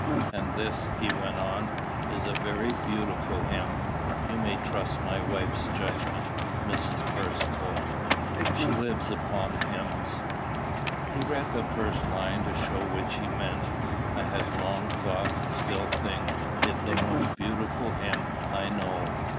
"And this," he went on, "is a very beautiful hymn. You may trust my wife's judgment, Mrs. Percivale. She lives upon hymns." He read the first line to show which he meant. I had long thought, and still think, it the most beautiful hymn I know.